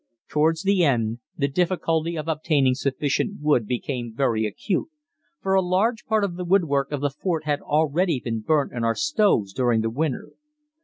Towards the end, the difficulty of obtaining sufficient wood became very acute, for a large part of the woodwork of the fort had already been burnt in our stoves during the winter.